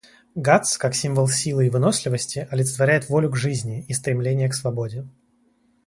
Гатс, как символ силы и выносливости, олицетворяет волю к жизни и стремление к свободе.